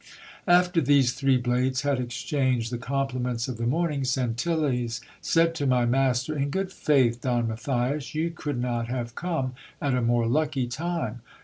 After these three blades had exchanged the compliments of the morning, Centelles said to my master — In good faith, Don Matthias, you could not have come at a more lucky time.